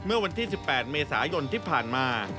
เมื่อวันที่๑๘เมษายนที่ผ่านมา